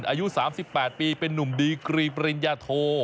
อายุ๓๘ปีเป็นนุ่มดีกรีปริญญาโท